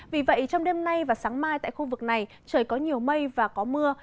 vì vậy trong đêm nay và sáng mai tại khu vực này trời có nhiều mây và có mưa